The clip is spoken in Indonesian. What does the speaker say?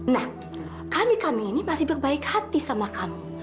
nah kami kami ini masih baik baik hati sama kamu